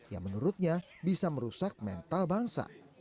yang menurutnya bisa merusak mental bangsa